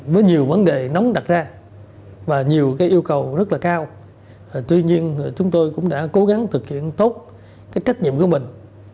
với nhiều vấn đề nóng đặt ra và nhiều yêu cầu rất là cao tuy nhiên chúng tôi cũng đã cố gắng thực hiện tốt cái trách nhiệm của mình